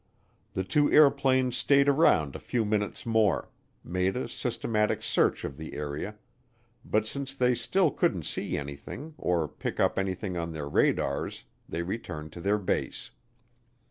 The two airplanes stayed around a few minutes more, made a systematic search of the area, but since they still couldn't see anything or pick up anything on their radars they returned to their base.